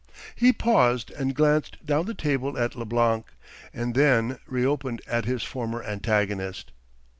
He paused and glanced down the table at Leblanc, and then re opened at his former antagonist.